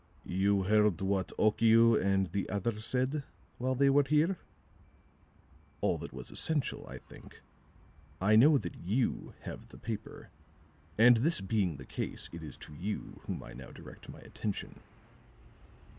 "You heard what Okiu and the other said while they were here?" "All that was essential, I think. I know that you have the paper, and this being the case, it is to you whom I now direct my attention."